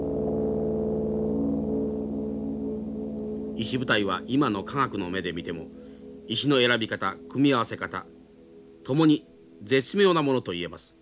石舞台は今の科学の目で見ても石の選び方組み合わせ方ともに絶妙なものといえます。